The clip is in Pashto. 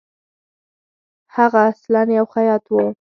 هغه اصلاً یو خیاط وو.